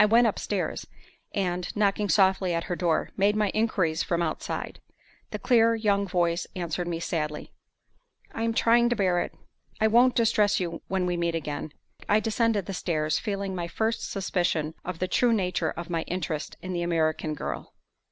I went upstairs, and, knocking softly at her door, made my inquiries from outside. The clear young voice answered me sadly, "I am trying to bear it: I won't distress you when we meet again." I descended the stairs, feeling my first suspicion of the true nature of my interest in the American girl.